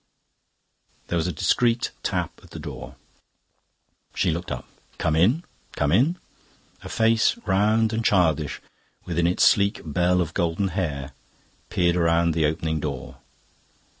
There was a discreet tap at the door. She looked up. "Come in, come in." A face, round and childish, within its sleek bell of golden hair, peered round the opening door.